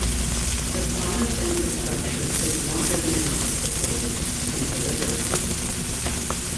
The promised infrastructure took longer than anticipated to be delivered.